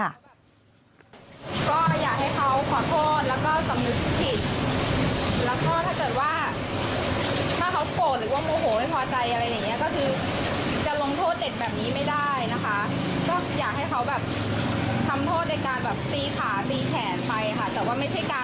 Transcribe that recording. ว่าจะอาฆาตมาดร้ายหรือว่าให้เขาต้องตกงานเสียงานอะไรอย่างนี้ค่ะ